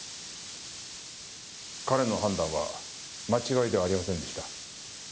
彼の判断は間違いではありませんでした。